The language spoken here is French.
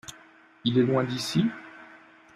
Il est loin d’ici ?